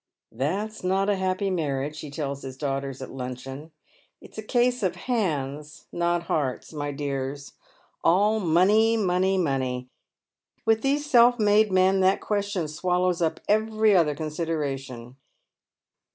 "That's not a happy marriage," he tells his daughters at luncheon, " it's a case of hands, not hearts, my dears. All money, money, money ! with these self made men that question swallows up every other consideration."